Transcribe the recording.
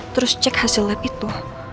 terus cek hasil lab itu